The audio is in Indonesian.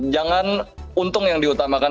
jangan untung yang diutamakan